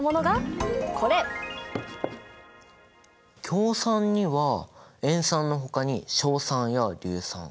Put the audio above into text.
強酸には塩酸のほかに硝酸や硫酸。